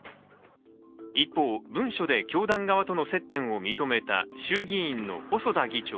一方、文書で教団側との接点を認めた衆議院の細田議長。